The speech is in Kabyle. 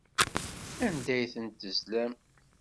Anda ay tent-tezlam?